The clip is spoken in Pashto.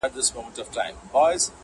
ما ویل زه به ټول نغمه- نغمه سم-